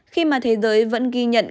khi mà thế giới vẫn ghi nhận